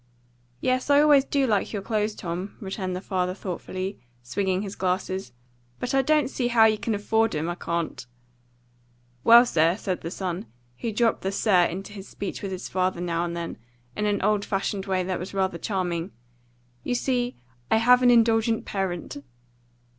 "Yes, I always do like your clothes, Tom," returned the father thoughtfully, swinging his glasses, "But I don't see how you can afford 'em, I can't." "Well, sir," said the son, who dropped the "sir" into his speech with his father, now and then, in an old fashioned way that was rather charming, "you see, I have an indulgent parent."